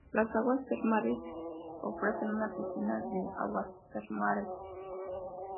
Las aguas termales ofrecen una piscina de aguas termales.